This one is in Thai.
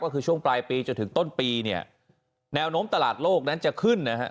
ก็คือช่วงปลายปีจนถึงต้นปีเนี่ยแนวโน้มตลาดโลกนั้นจะขึ้นนะฮะ